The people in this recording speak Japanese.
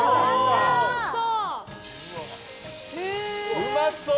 うまそう！